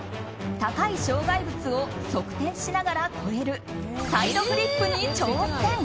高い障害物を側転しながら越えるサイドフリップに挑戦！